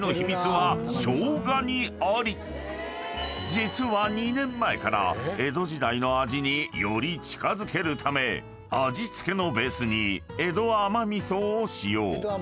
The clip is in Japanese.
［実は２年前から江戸時代の味により近づけるため味付けのベースに江戸甘味噌を使用］